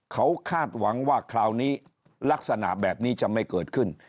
เขาคาดหวังว่าคราวนี้ลักษณะแบบนี้จะไม่เกิดขึ้น